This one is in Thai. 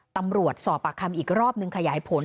ตำรวจสอบปากคำอีกรอบนึงขยายผล